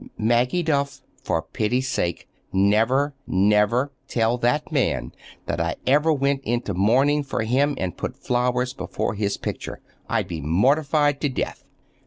Maggie Duff, for pity's sake, never, never tell that man that I ever went into mourning for him and put flowers before his picture. I'd be mortified to death!